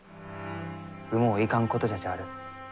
もういかんことじゃちある。